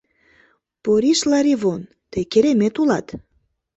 Порис Ларивон, тый керемет улат!